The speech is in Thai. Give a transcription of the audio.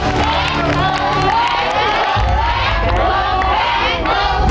แบ้น